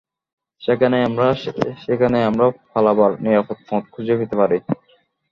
সেখানে আমরা -- সেখানে আমরা পালাবার নিরাপদ পথ খুঁজে পেতে পারি।